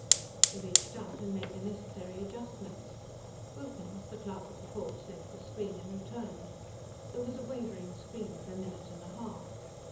He reached out and made the necessary adjustments. Wilkins, the Clerk of the Courts, left the screen, and returned. There was a wavering scream for a minute and a half.